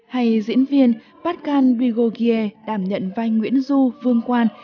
hay diễn viên pascal brigogier đảm nhận vai nguyễn du vương quan